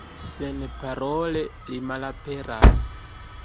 Senparole li malaperas.